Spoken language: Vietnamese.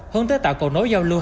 hơn tới tạo cầu nối giao lưu hợp